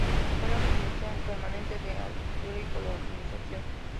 Participó de la comisión permanente de Agricultura y Colonización.